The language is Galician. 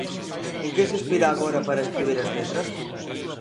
En que se inspira agora para escribir as letras?